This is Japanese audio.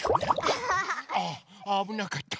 ああぶなかった。